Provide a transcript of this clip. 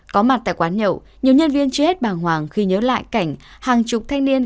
có mặt tại quán nhậu nhiều nhân viên chưa hết bàng hoàng khi nhớ lại cảnh hàng chục thanh niên